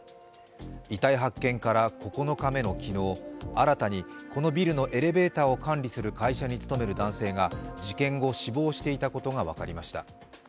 遺体発見から９日目の昨日、新たにこのビルのエレベーターを管理する会社に勤める男性が事件後、死亡していたことが分かりました。